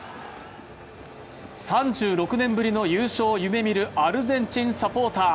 ３６年ぶりの優勝を夢見るアルゼンチンサポーター。